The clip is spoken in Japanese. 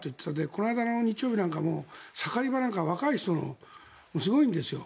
この間の日曜日なんかも盛り場なんかは若い人がすごいんですよ。